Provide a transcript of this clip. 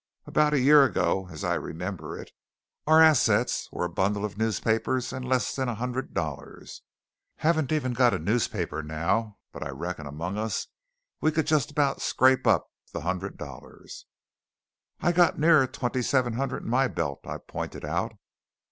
About a year ago, as I remember it, our assets were a bundle of newspapers and less than a hundred dollars. Haven't even got a newspaper now, but I reckon among us we could just about scrape up the hundred dollars." "I've got nearer twenty seven hundred in my belt," I pointed out.